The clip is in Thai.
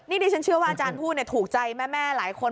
นี่ดิฉันเชื่อว่าอาจารย์พูดถูกใจแม่หลายคน